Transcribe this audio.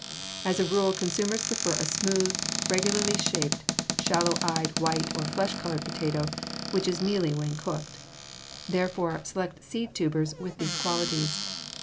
As a rule consumers prefer a smooth, regularly shaped, shallow eyed white or flesh colored potato which is mealy when cooked. Therefore, select seed tubers with these qualities.